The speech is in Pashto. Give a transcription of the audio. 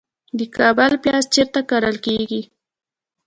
د کابل پیاز چیرته کرل کیږي؟